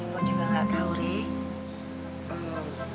mpo juga gak tau reh